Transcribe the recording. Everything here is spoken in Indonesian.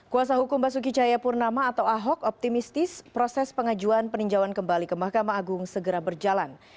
kuasa hukum basuki cahayapurnama atau ahok optimistis proses pengajuan peninjauan kembali ke mahkamah agung segera berjalan